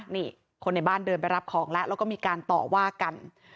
นี่คนในบ้านเดินไปรับของแล้วแล้วก็มีการต่อว่ากัน